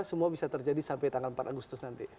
semua bisa terjadi sampai tanggal empat agustus nanti